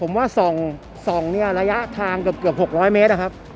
ผมว่าส่องเนี่ยระยะทางเกือบ๖๐๐เมตรนะครับ